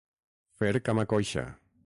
Fer cama coixa.